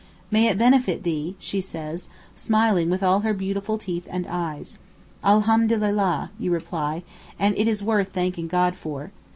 'May it benefit thee,' she says, smiling with all her beautiful teeth and eyes. 'Alhamdulillah,' you reply; and it is worth thanking God for.